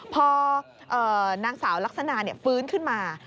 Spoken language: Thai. พอนางสาวลักษณะฟื้นขึ้นมา